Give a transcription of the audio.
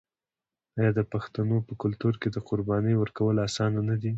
آیا د پښتنو په کلتور کې د قربانۍ ورکول اسانه نه دي؟